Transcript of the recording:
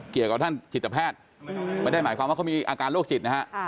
เกี่ยวกับท่านจิตแพทย์ไม่ได้หมายความว่าเขามีอาการโรคจิตนะฮะ